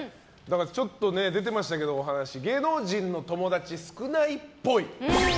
ちょっと話に出ていましたが芸能人の友達少ないっぽい。